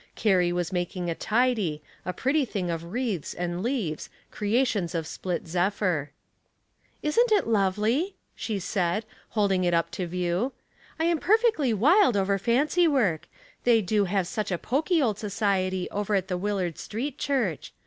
Carrie was mak ing a tidy, a pretty thing of wreaths and leaves, creations of split zephyr. *' Isn't it lovely?" she said, holding it up to view. " I am perfectly wdld over fancy work ; they do have such a poky old society over at the Willard Street Church.